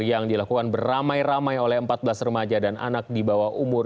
yang dilakukan beramai ramai oleh empat belas remaja dan anak di bawah umur